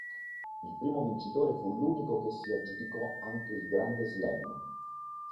Il primo vincitore fu l' che si aggiudicò anche il Grande Slam.